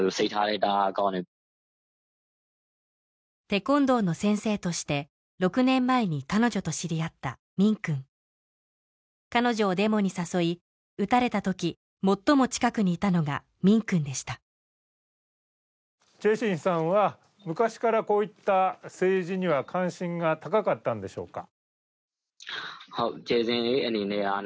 テコンドーの先生として６年前に彼女と知り合ったミンくん彼女をデモに誘い撃たれた時最も近くにいたのがミンくんでしたチェー・シンさんは昔からこういった政治には関心が高かったんでしょうか？